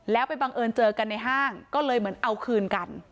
แล้วไปบังเอิญเจอกันในห้างก็เลยเหมือนเอาคืนกัน